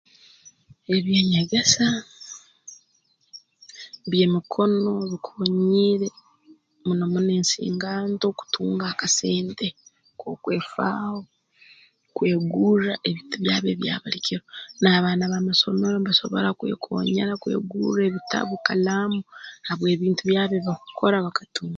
Ebyenyegesa by'emikono bikoonyiire muno muno ensinganto kutunga akasente k'okwefaaho kwegurra ebintu byabo ebya buli kiro n'abaana b'amasomero mbasobora kwekonyera kwegurra ebitabu kalaamu habw'ebintu byabo ebibakukora bakatunga